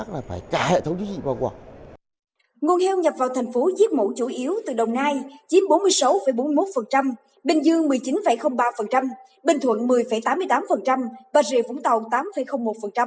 nguồn heo nhập vào thành phố giết mổ chủ yếu từ đồng nai chiếm bốn mươi sáu bốn mươi một bình dương một mươi chín ba bình thuận một mươi tám mươi tám bà rịa vũng tàu tám một